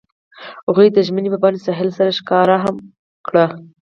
هغوی د ژمنې په بڼه ساحل سره ښکاره هم کړه.